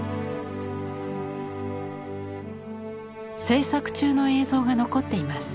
制作中の映像が残っています。